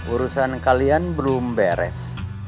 urusan kalian belum beres